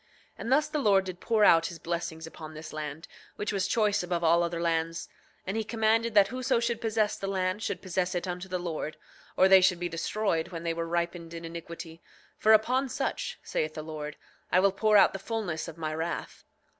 9:20 And thus the Lord did pour out his blessings upon this land, which was choice above all other lands; and he commanded that whoso should possess the land should possess it unto the Lord, or they should be destroyed when they were ripened in iniquity; for upon such, saith the Lord: I will pour out the fulness of my wrath.